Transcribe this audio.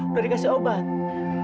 udah dikasih obat